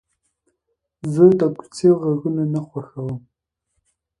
زه د کوڅې غږونه نه خوښوم.